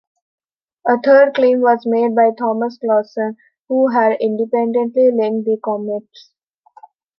A third claim was made by Thomas Clausen, who had independently linked the comets.